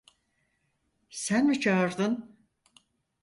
Sen mi çağırdın?